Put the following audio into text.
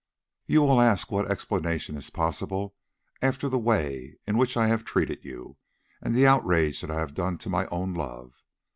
"You will ask what explanation is possible after the way in which I have treated you, and the outrage that I have done to my own love.